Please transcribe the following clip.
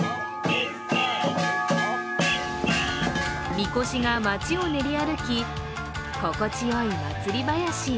みこしが街を練り歩き、心地よい祭り囃子。